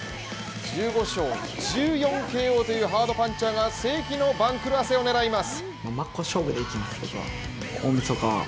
１５勝１４ＫＯというハードパンチャーが世紀の番狂わせを狙います。